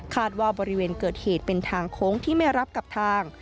ว่าบริเวณเกิดเหตุเป็นทางโค้งที่ไม่รับกับทาง